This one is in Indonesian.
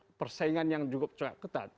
ya dan juga persaingan yang cukup cukup ketat